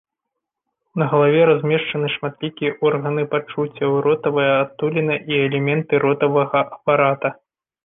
На галаве размешчаны шматлікія органы пачуццяў, ротавая адтуліна і элементы ротавага апарата.